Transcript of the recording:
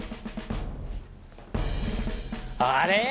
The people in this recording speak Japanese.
あれ？